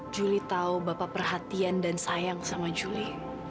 juli tau bapak perhatian dan sayang sama juli